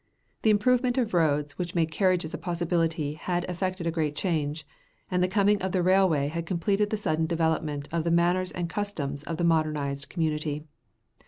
The improvement of roads which made carriages a possibility had effected a great change, and the coming of the railway had completed the sudden development of the manners and customs of the modernized community.